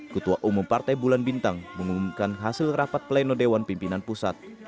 ketua umum partai bulan bintang mengumumkan hasil rapat pleno dewan pimpinan pusat